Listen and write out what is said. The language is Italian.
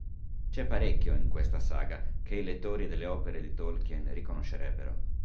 C'è parecchio in questa saga che i lettori delle opere di Tolkien riconoscerebbero.